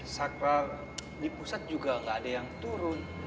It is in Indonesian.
sakral di pusat juga nggak ada yang turun